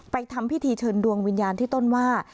ทำพิธีเชิญดวงวิญญาณที่ต้นว่า